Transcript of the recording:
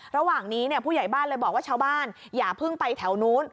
ระหว่างนี้ผู้ใหญ่บ้านเลยบอกว่าชาวบ้านอย่าเพิ่งไปแถวนู้น